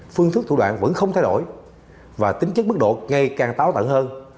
phương thức thủ đoạn vẫn không thay đổi và tính chất mức độ ngày càng táo tận hơn